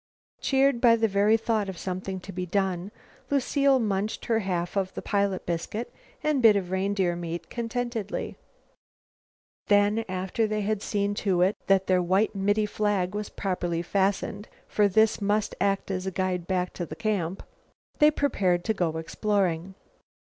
Cheered by the very thought of something to be done, Lucile munched her half of the pilot biscuit and bit of reindeer meat contentedly. Then, after they had seen to it that their white middy flag was properly fastened, for this must act as a guide back to camp, they prepared to go exploring.